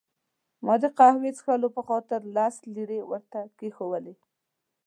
ما د قهوې څښلو په خاطر لس لیرې ورته کښېښوولې.